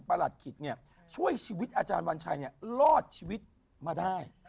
หลัดขิตช่วยชีวิตอาจารย์วันชัยรอดชีวิตมาได้